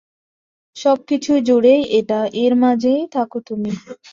সবকিছু জুড়েই এটা, এর মাঝেই থাকো তুমি।